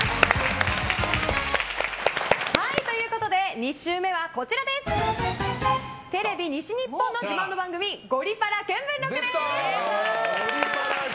２週目はテレビ西日本の自慢の番組「ゴリパラ見聞録」です！